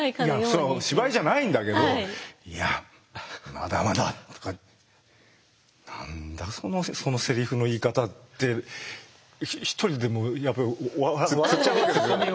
芝居じゃないんだけど「いやまだまだ」とか「何だそのセリフの言い方」って一人でもやっぱり笑っちゃうわけですよ。